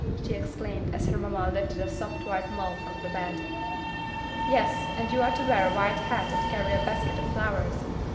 she exclaimed, as her mamma lifted a soft white mull from the bed. "Yes, and you are to wear a white hat and carry a basket of flowers.